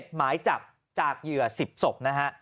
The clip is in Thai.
หมายจับจากเหยื่อ๑๐ศพนะฮะ